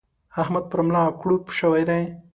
احمد پر ملا کړوپ شوی دی.